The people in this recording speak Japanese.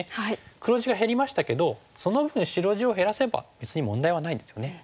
黒地が減りましたけどその分白地を減らせば別に問題はないんですよね。